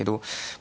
ま